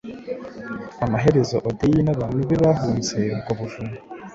Amaherezo Odyeu n'abantu be bahunze ubwo buvumo